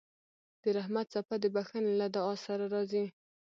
د رحمت څپه د بښنې له دعا سره راځي.